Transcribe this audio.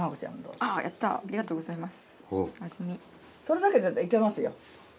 それだけでいけますよ。